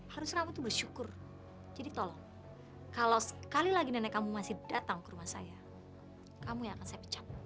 harus rapuh itu bersyukur jadi tolong kalau sekali lagi nenek kamu masih datang ke rumah saya kamu yang akan saya pecah